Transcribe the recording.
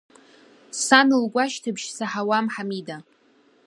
Сан лгәашьҭыбжь саҳауам, Ҳамида.